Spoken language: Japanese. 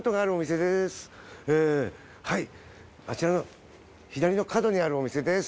えはいあちらの左の角にあるお店です。